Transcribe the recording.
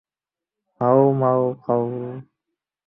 How মাউ খাউ!